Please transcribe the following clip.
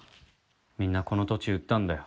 みんなこの土地売ったんだよ